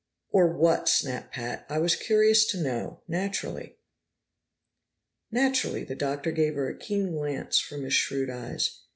"Or what!" snapped Pat. "I was curious to know, naturally." "Naturally." The Doctor gave her a keen glance from his shrewd eyes.